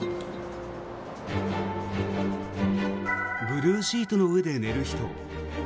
ブルーシートの上で寝る人。